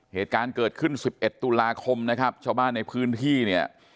เหตุการณ์เกิดขึ้น๑๑ตุลาคมนะครับชาวบ้านในพื้นที่เนี่ย